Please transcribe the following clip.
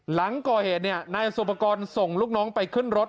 หลังก่อเหตุเนี่ยนายสุปกรณ์ส่งลูกน้องไปขึ้นรถ